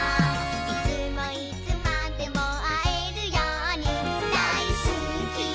「いつもいつまでもあえるようにだいすきだからまたね」